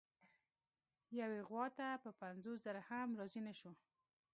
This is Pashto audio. یوې غوا ته په پنځوس زره هم راضي نه شو.